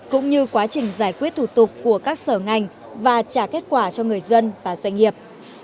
cũng như quá trình giải quyết thủ tục của các sở ngành và trả kết quả cho người dân và doanh nghiệp